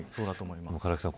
唐木さん